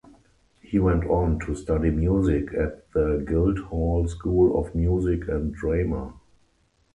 He went on to study Music at the Guildhall School of Music and Drama.